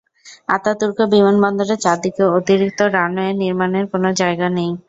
Ataturk বিমানবন্দরের চারদিকে অতিরিক্ত রানওয়ে নির্মাণের কোন জায়গা নেই।